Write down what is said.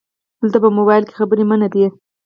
📵 دلته په مبایل کې خبري منع دي